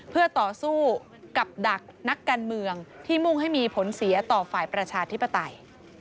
เพื่อต่อสู้กับดักนักการเมืองที่มุ่งให้มีผลเสียต่อฝ่ายประชาธิปไตย